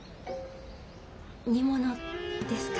煮物ですか。